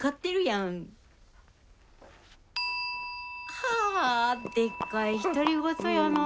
はあでっかい独り言やなあ。